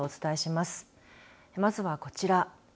まずはこちら。